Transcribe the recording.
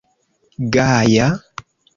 Gaja?